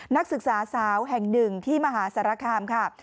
นักศึกษาสาวแห่งหนึ่งที่มหาสารคามค่ะ